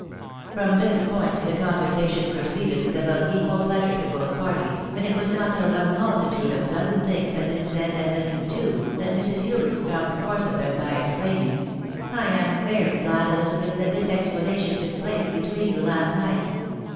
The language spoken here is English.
From this point the conversation proceeded with about equal pleasure to both parties, and it was not till a multitude of plea sant things had been said and listened to, that Mrs. Hubert stopped the course of them by exclaiming, " I am very glad, Ehzabeth, that this explanation took place between you last night